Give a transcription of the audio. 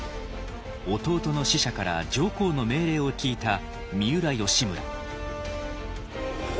弟の使者から上皇の命令を聞いた三浦義村。